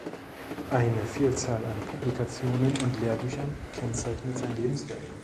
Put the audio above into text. Eine Vielzahl an Publikationen und Lehrbüchern kennzeichnet sein Lebenswerk.